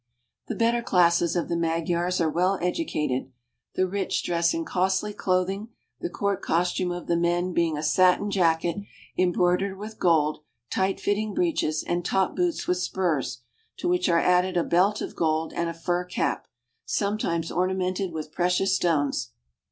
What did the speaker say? The better classes of the Magyars are well educated. The rich dress in costly clothing, the court costume of the men being a satin jacket embroidered with geld, tight fitting breeches, and top boots with spurs, to which are added a belt of gold and a fur cap, sometimes orna mented with precious stones.